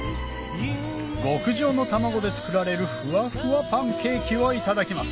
極上の卵で作られるふわふわパンケーキをいただきます